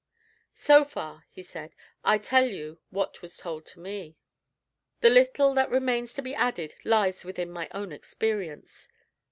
"So far," he said, "I tell you what was told to me. The little that remains to be added lies within my own experience.